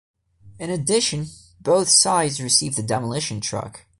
In addition, both sides receive the "Demolition Truck".